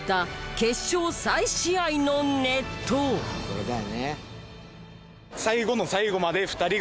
これだよね。